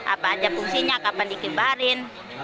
apa aja fungsinya kapan dikibarin